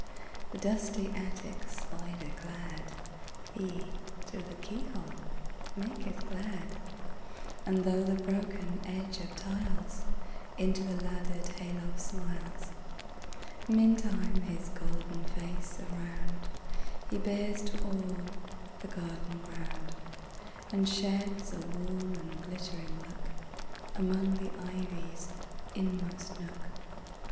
The dusty attic spider cladHe, through the keyhole, maketh glad; And through the broken edge of tiles, Into the laddered hay loft smiles. Meantime his golden face aroundHe bears to all the garden ground, And sheds a warm and glittering lookAmong the ivy's inmost nook.